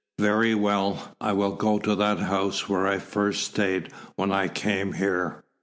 "Very well. I will go to that house where I first stayed when I came here.